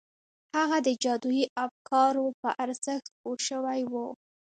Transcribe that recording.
هغه د جادویي افکارو په ارزښت پوه شوی و